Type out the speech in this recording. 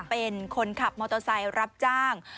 เป็นคนขับมอเตอร์ไซค์รับจ้าง